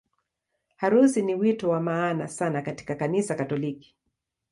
Harusi ni wito wa maana sana katika Kanisa Katoliki.